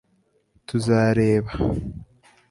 tuzareba